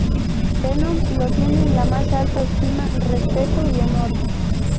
Venom lo tiene en la más alta estima, respeto y honor.